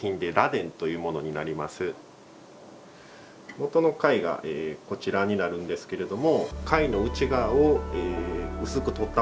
もとの貝がこちらになるんですけれども。